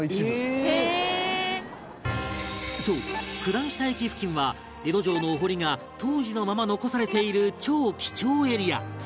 そう九段下駅付近は江戸城のお堀が当時のまま残されている超貴重エリア